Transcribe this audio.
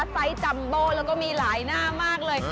ไซส์จัมโบแล้วก็มีหลายหน้ามากเลย